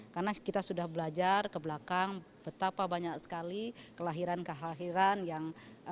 karena kita sudah belajar kebelakang betapa banyak sekali kelahiran kelahiran yang